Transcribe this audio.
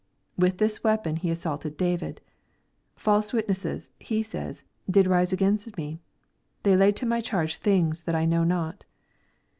With this weapon he assaulted David :" False witnesses,'' he says, "did rise against me : they laid to my charge things that I knew not."